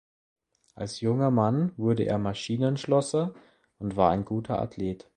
Als junger Mann wurde er Maschinenschlosser und war ein guter Athlet.